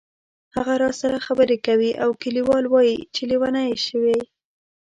هغه راسره خبرې کوي او کلیوال وایي چې لیونی شوې.